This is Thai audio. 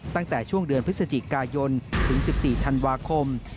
ตั้งแต่ช่วงเดือนพฤศจิกายนถึง๑๔ธันวาคม